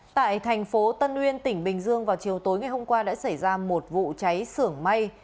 tại thành phố tân uyên tỉnh bình dương vào chiều tối ngày hôm qua đã xảy ra một vụ cháy sưởng may